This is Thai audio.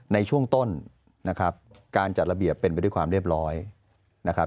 ในช่วงต้นนะครับการจัดระเบียบเป็นไปด้วยความเรียบร้อยนะครับ